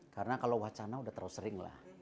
karena kalau wacana udah terlalu sering lah